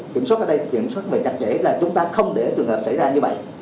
kiểm soát ở đây kiểm soát và chặt chẽ là chúng ta không để trường hợp xảy ra như vậy